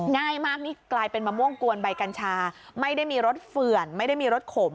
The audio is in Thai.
ง่ายมากนี่กลายเป็นมะม่วงกวนใบกัญชาไม่ได้มีรสเฝื่อนไม่ได้มีรสขม